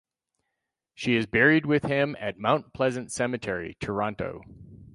She is buried with him at Mount Pleasant Cemetery, Toronto.